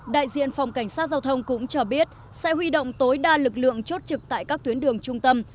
đại diện phòng cảnh sát giao thông cũng cho biết sẽ huy động tối đa lực lượng chốt trực tại các tuyến đường trung tâm